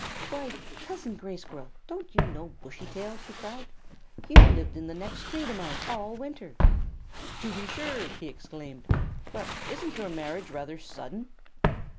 "Why, Cousin Gray Squirrel, don't you know Bushy tail?" she cried. "You lived the next tree to mine all winter." "To be sure!" he exclaimed. "But isn't your marriage rather sudden?"